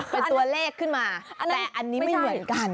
เป็นตัวเลขขึ้นมาแต่อันนี้ไม่เหมือนกัน